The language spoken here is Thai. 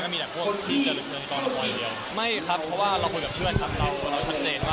แต่อย่างที่ผมเคยบอกไปแล้วว่าผมเป็นคนเลือกมากด้วยนะครับ